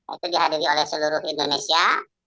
itu dihadiri oleh seluruh indonesia